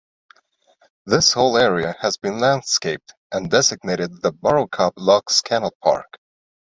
This whole area has been landscaped, and designated the Borrowcop Locks Canal Park.